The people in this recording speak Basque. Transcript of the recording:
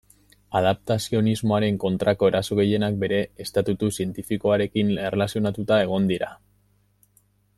Adaptazionismoaren kontrako eraso gehienak bere estatutu zientifikoarekin erlazionatuta egon dira.